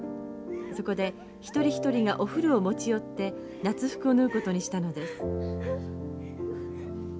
そこで一人一人がお古を持ち寄って夏服を縫うことにしたのです。